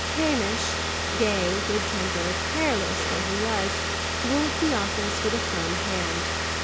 Hamish gay, good tempered, careless, though he was ruled the office with a firm hand.